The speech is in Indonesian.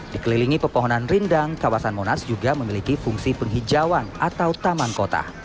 dikelilingi pepohonan rindang kawasan monas juga memiliki fungsi penghijauan atau taman kota